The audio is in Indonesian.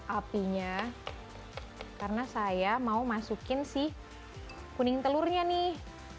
apinya karena saya mau masukin si kuning telurnya nih